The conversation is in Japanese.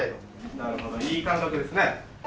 なるほどいい感覚ですね。